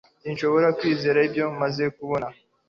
Sinshobora kwizera ibyo maze kubona